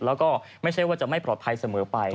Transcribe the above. แล้วก็ไม่ใช่ว่าจะไม่ปลอดภัยเสมอไป